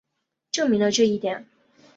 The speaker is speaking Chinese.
证明了这一点。